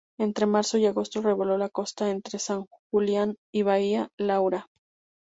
Entre marzo y agosto relevó la costa entre San Julián y Bahía Laura.